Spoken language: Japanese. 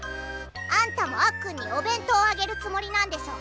あんたもあっくんにお弁当あげるつもりなんでしょ。